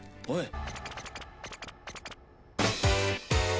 おい！